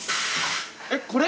えっこれ？